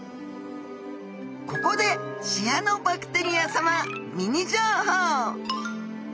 ここでシアノバクテリアさまミニ情報！